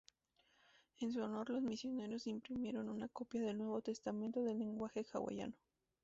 En su honor, los misioneros imprimieron una copia del Nuevo Testamento en lenguaje hawaiano.